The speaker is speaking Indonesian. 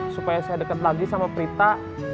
supaya saya dekat lagi sama prita